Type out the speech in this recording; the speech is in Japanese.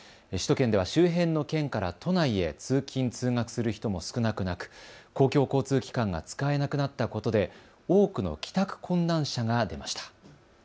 首都圏では周辺の県から都内へ通勤通学する人も少なくなく公共交通機関が使えなくなったことで多くの帰宅困難者が出ました。